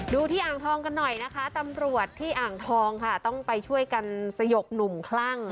ที่อ่างทองกันหน่อยนะคะตำรวจที่อ่างทองค่ะต้องไปช่วยกันสยกหนุ่มคลั่ง